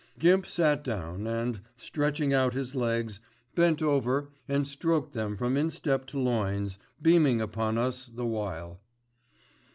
Gimp sat down and, stretching out his legs, bent over and stroked them from instep to loins, beaming upon us the while.